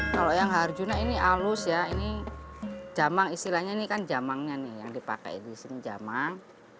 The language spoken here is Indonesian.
kalau yang harjuna ini halus ya ini jamang istilahnya ini kan jamangnya nih yang dipakai di sini jamang